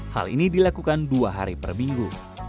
hal ini dilakukan dua hari per minggu